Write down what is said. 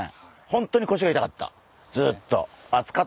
本当に腰が痛かったずっと。